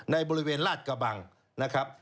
ในบริเวณลาดกระบังนะครับ